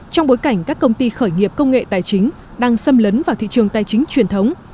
trong bối cảnh các công ty khởi nghiệp công nghệ tài chính đang xâm lấn vào thị trường tài chính truyền thống